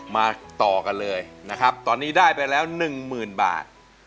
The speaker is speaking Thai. มาต่อกันเลยนะครับตอนนี้ได้ไปแล้ว๑๐๐๐บาท